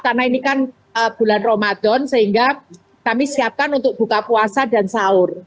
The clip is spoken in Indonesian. karena ini kan bulan ramadan sehingga kami siapkan untuk buka puasa dan sahur